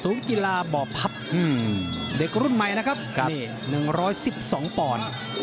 กีฬาบ่อพับเด็กรุ่นใหม่นะครับนี่๑๑๒ปอนด์